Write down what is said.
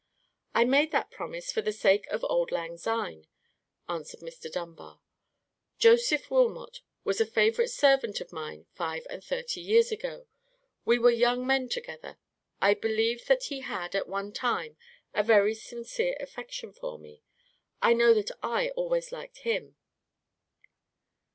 "I made that promise for the sake of 'auld lang syne,'" answered Mr. Dunbar. "Joseph Wilmot was a favourite servant of mine five and thirty years ago. We were young men together. I believe that he had, at one time, a very sincere affection for me. I know that I always liked him."